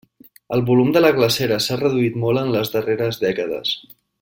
El volum de la glacera s'ha reduït molt en les darreres dècades.